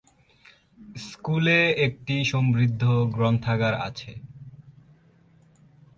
স্কুলে একটি সমৃদ্ধ গ্রন্থাগার আছে।